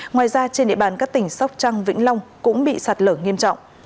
ngoài ra trên địa bàn các tỉnh sóc trăng vĩnh long cũng bị sạt lở nghiêm trọng